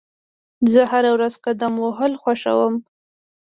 زه هره ورځ قدم وهل خوښوم.